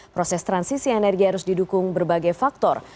proses transisi energi harus didukung berbagai faktor